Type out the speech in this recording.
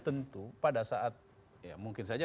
tentu pada saat ya mungkin saja